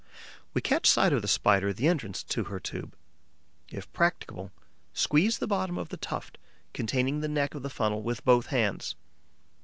We catch sight of the Spider at the entrance to her tube. If practicable, squeeze the bottom of the tuft, containing the neck of the funnel, with both hands.